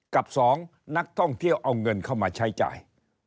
กับ๒นักท่องเที่ยวเอาเงินเข้ามาใช้จ่าย